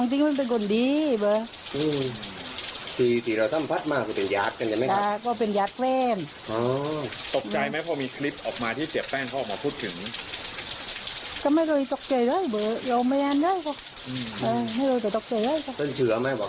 เห็นน้องประธานติ่งเป็นคนยังไงครับ